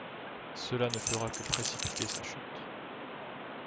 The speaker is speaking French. Cela ne fera que précipiter sa chute.